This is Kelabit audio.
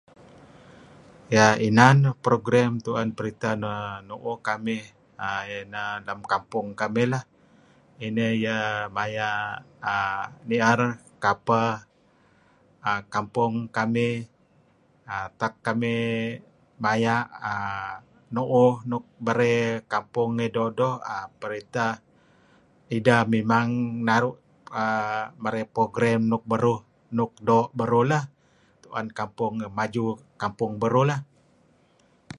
Ya inan program tu'en peritah nu'uh kamih lem kampung kamih lah, ineh iyeh maya' err ni'er kapeh err kampung kamih err tak kamih maya' err nu'uh nuk berey nu'uh kampung doo'-doo' peritah ideh memang merey program err nuk beruh nuk doo' beruh lah 'an naru' kampung maju kampung beruh lah.